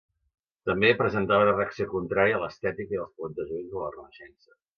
També, presentava una reacció contrària a l'estètica i els plantejaments de la Renaixença.